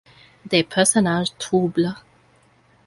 Des personnages troubles.